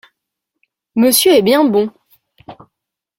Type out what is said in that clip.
Monsieur est bien bon !